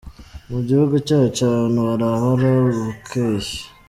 Mu gihugu cyacu abantu barabara ubukeye.